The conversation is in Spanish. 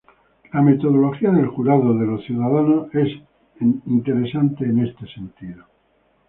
La metodología del jurado de los ciudadanos es interesante en este sentido.